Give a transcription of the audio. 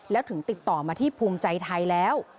แล้วถึงติดต่อมาที่ภูมิใจไทยแล้ว